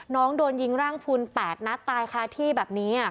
น้องโดนยิงร่างพุน๘นัดตายคาที่แบบนี้